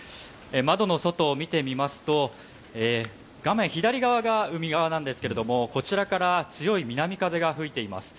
窓の外を見てみますと、画面左側が海側ですけれども、こちらから強い南風が吹いています。